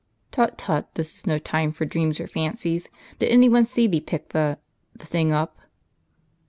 ''^ "Tut, tut! this is no time for dreams or fancies. Did any one see thee pick the — the thing up?